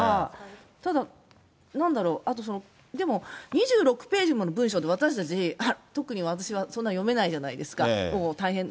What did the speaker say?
ただ、なんだろう、あと、でも２６ページものの文書って、私たち、特に私はそんなの読めないじゃないですか、大変で。